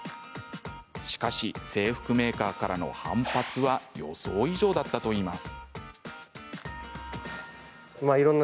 しかし制服メーカーからの反発は予想以上だったといいます。